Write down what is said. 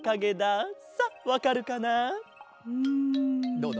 どうだ？